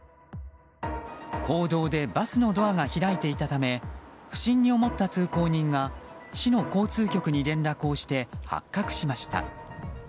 公道でバスのドアが開いていたため不審に思った通行人が市の交通局に連絡をして発覚しました。